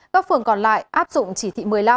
các phường còn lại áp dụng chỉ thị một mươi năm